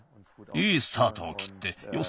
いいスタートをきってよ